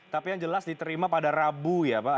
tapi yang jelas diterima pada rabu ya pak